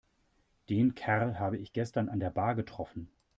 Den Kerl habe ich gestern an der Bar getroffen.